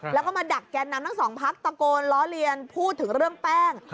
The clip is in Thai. แล้วก็มาดักแกนนำทั้งสองพักตะโกนล้อเลียนพูดถึงเรื่องแป้ง